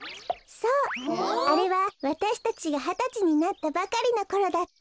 そうあれはわたしたちがはたちになったばかりのころだった。